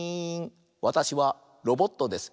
わたしはロボットです。